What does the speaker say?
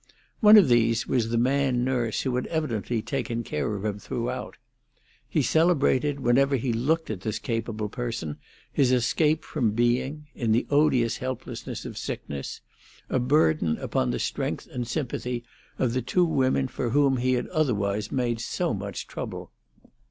One of these was the man nurse who had evidently taken care of him throughout. He celebrated, whenever he looked at this capable person, his escape from being, in the odious helplessness of sickness, a burden upon the strength and sympathy of the two women for whom he had otherwise made so much trouble.